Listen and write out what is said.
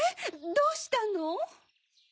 どうしたの？